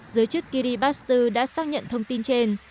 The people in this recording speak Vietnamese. giới chức kiribati đã xác nhận thông tin trên